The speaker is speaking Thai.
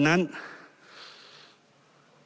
การฉีดวัคซีนนั้น